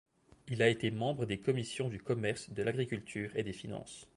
Il a été membre des commissions du commerce, de l'agriculture et des finances.